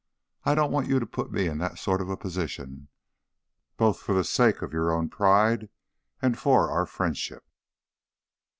I don't want you to put me in that sort of position, both for the sake of your own pride and for our friendship."